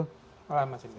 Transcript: selamat malam mas idra